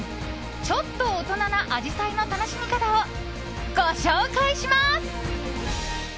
ちょっと大人なアジサイの楽しみ方をご紹介します。